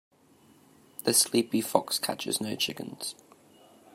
The sleepy fox catches no chickens.